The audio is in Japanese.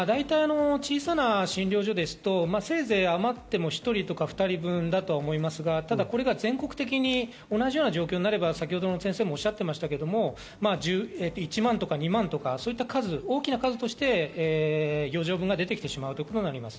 小さな診療所ですとせいぜい余っても１人か２人分だと思いますが、これが全国的に同じような状況になれば先ほどの先生もおっしゃっていましたが、１万とか２万とか、大きな数として余剰分が出てきてしまうということがあります。